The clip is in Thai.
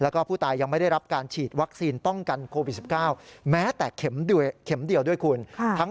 การฉีดวัคซีนต้องกันโควิด๑๙แม้แต่เข็มเดียวด้วยคุณ